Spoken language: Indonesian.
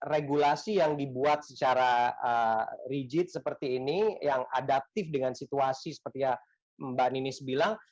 regulasi yang dibuat secara rigid seperti ini yang adaptif dengan situasi seperti yang mbak ninis bilang